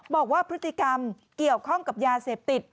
บอกว่าพฤติกรรมเกี่ยวข้องกับยาเสพติด